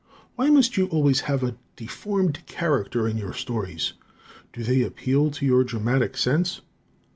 why must you always have a deformed character in your stories? Do they appeal to your dramatic sense?